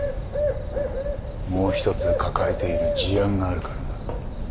もう一つ抱えている事案があるからな。